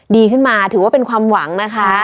ดีขึ้นมาถือว่าเป็นความหวังนะคะ